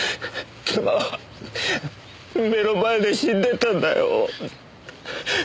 妻は目の前で死んでったんだよ。